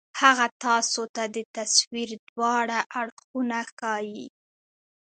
هغه تاسو ته د تصوير دواړه اړخونه ښائي